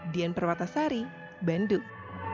dian perwata sari bandung